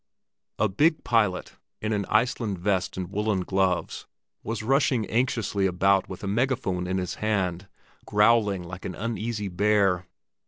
A big pilot, in an Iceland vest and woollen gloves, was rushing anxiously about with a megaphone in his hand, growling like an uneasy bear.